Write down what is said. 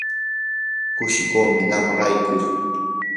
kushikuumi qam rayku.